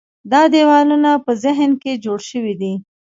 دا دیوالونه په ذهن کې جوړ شوي دي.